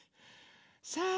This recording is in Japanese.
さあ